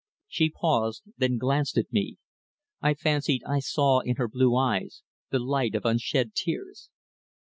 She paused, then glanced at me. I fancied I saw in her blue eyes the light of unshed tears.